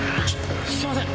すいません！